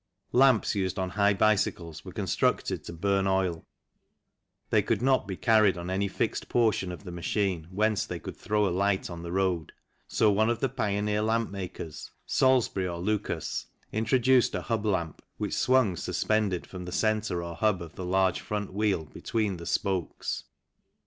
Lamps used on high bicycles were constructed to burn oil : they could not be carried on any fixed portion of the machine whence they could throw a light on the road, so one of the pioneer lamp makers Salisbury or Lucas introduced a hub lamp which swung suspended 98 THE CYCLE INDUSTRY from the centre or hub of the large front wheel between the spokes.